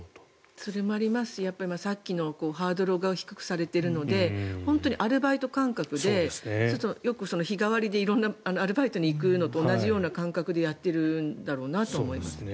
それもありますしさっきのハードルを低くされているのでアルバイト感覚でよく日替わりで色んなアルバイトに行くのと同じような感覚でやっているんだなと思います。